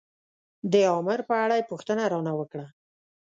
د امر په اړه یې پوښتنه را نه وکړه.